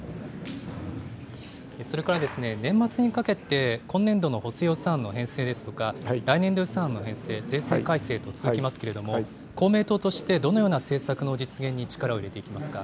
それから年末にかけて、今年度の補正予算案の編成ですとか、来年度予算案の編成、税制改正と続きますけれども、公明党としてどのような政策の実現に力を入れていきますか。